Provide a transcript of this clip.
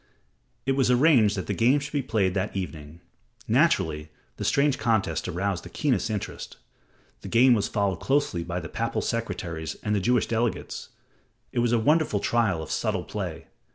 It was arranged that the game should be played that evening. Naturally, the strange contest aroused the keenest interest. The game was followed closely by the papal secretaries and the Jewish delegates. It was a wonderful trial of subtle play.